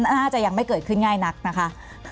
น่าจะยังไม่เกิดขึ้นง่ายนักนะคะ